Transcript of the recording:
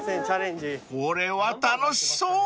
［これは楽しそう］